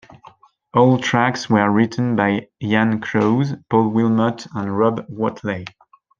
All tracks were written by Ian Crause, Paul Wilmott, and Rob Whatley.